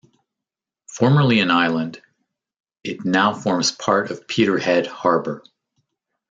Formerly an island, it now forms part of Peterhead Harbour.